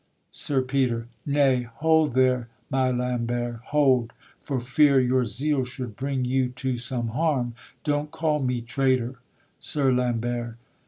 SIR PETER. Nay, hold there, my Lambert, hold! For fear your zeal should bring you to some harm, Don't call me traitor. SIR LAMBERT.